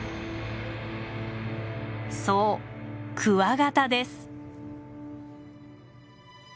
そうクワガタです。